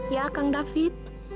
ya kang david